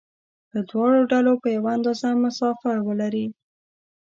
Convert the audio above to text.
له دواړو ډلو په یوه اندازه مسافه ولري.